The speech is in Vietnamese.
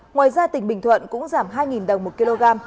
ngoài ra tỉnh bình thuận cũng giảm hai đồng một kg